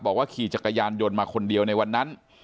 ขี่จักรยานยนต์มาคนเดียวในวันนั้น